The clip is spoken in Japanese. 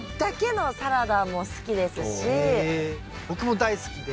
僕も大好きで。